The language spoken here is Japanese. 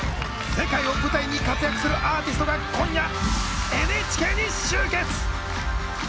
世界を舞台に活躍するアーティストが今夜ＮＨＫに集結！